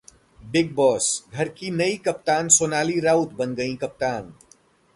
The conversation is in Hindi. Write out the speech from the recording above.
Bigg Boss: घर की नई कप्तान सोनाली राउत बन गईं कप्तान